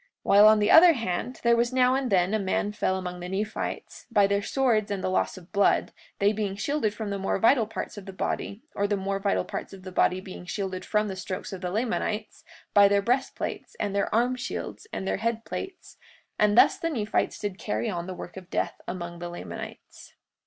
43:38 While on the other hand, there was now and then a man fell among the Nephites, by their swords and the loss of blood, they being shielded from the more vital parts of the body, or the more vital parts of the body being shielded from the strokes of the Lamanites, by their breastplates, and their arm shields, and their head plates; and thus the Nephites did carry on the work of death among the Lamanites.